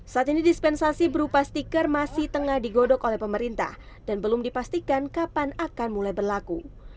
saat ini dispensasi berupa stiker masih tengah digodok oleh pemerintah dan belum dipastikan kapan akan mulai berlaku